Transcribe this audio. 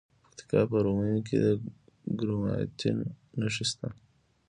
د پکتیکا په ورممی کې د کرومایټ نښې شته.